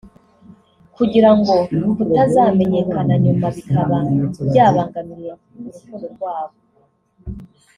kugira ngo kutazamenyekana nyuma bikaba byabangamira urukundo rwabo